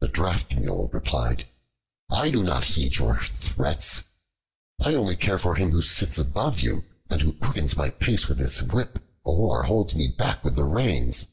The Draught Mule replied, "I do not heed your threats; I only care for him who sits above you, and who quickens my pace with his whip, or holds me back with the reins.